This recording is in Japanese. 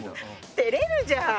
てれるじゃん。